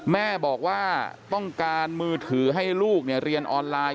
แม่บอกว่าต้องการมือถือให้ลูกเรียนออนไลน์